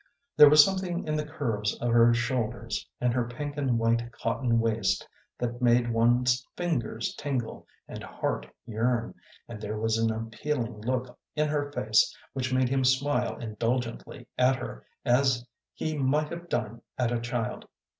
There was something in the curves of her shoulders, in her pink and white cotton waist, that made one's fingers tingle, and heart yearn, and there was an appealing look in her face which made him smile indulgently at her as he might have done at a child.